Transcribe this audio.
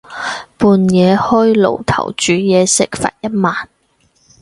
半夜開爐頭煮嘢食，罰一萬